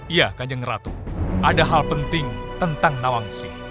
iya kanjeng ratu ada hal penting tentang nawangsi